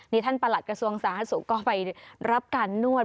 นี่ท่านประหลัดกระทรวงสาธารณสุขก็ไปรับการนวด